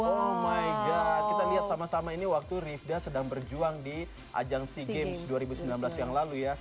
oh maga kita lihat sama sama ini waktu rivda sedang berjuang di ajang sea games dua ribu sembilan belas yang lalu ya